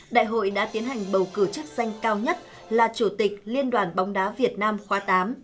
đại hội đã tiến hành bầu cử chức danh cao nhất là chủ tịch liên đoàn bóng đá việt nam khóa tám